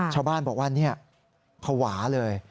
ชาวบ้านบอกว่าภาวะเลย